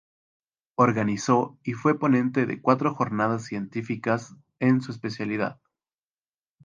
Organizó y fue ponente de cuatro Jornadas Científicas en su especialidad.